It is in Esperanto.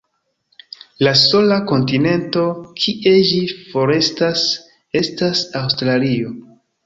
La sola kontinento kie ĝi forestas estas Aŭstralio.